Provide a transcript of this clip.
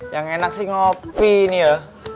yang enak sih ngopi ini ya